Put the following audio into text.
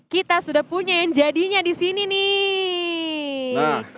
kita sudah punya yang jadinya di sini nih